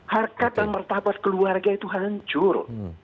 harga dan mertabat keluarga itu hancur